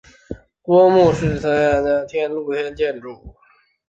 郭氏墓石祠原是室外的露天建筑。